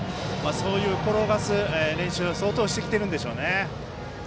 転がす練習は相当してきているんでしょうね。